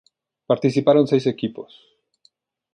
Participaron seis equipos.